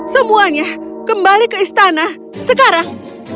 semuanya kembali ke istana sekarang